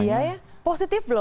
iya ya positif loh